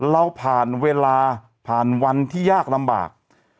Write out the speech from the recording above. เราผ่านเวลาผ่านวันที่ยากลำบาก